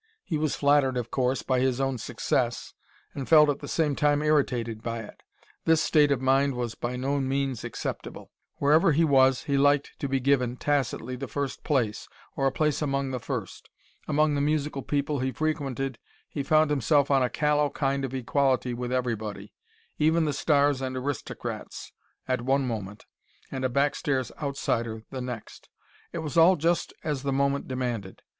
He was flattered, of course, by his own success and felt at the same time irritated by it. This state of mind was by no means acceptable. Wherever he was he liked to be given, tacitly, the first place or a place among the first. Among the musical people he frequented, he found himself on a callow kind of equality with everybody, even the stars and aristocrats, at one moment, and a backstairs outsider the next. It was all just as the moment demanded.